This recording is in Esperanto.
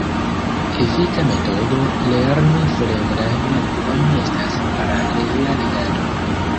Efika metodo lerni fremdajn lingvojn estas paralela legado.